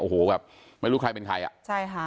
โอ้โหแบบไม่รู้ใครเป็นใครอ่ะ